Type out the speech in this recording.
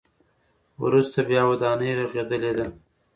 وروسته بیا ودانۍ رغېدلې ده.